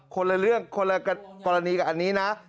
คนละเรื่องคนละกรณีกับอันนี้นะ